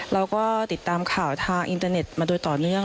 เราก็ติดตามข่าวทางอินเตอร์เน็ตมาโดยต่อเนื่อง